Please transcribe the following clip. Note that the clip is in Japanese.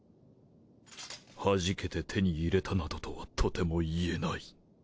ハジケて手に入れたなどとはとても言えない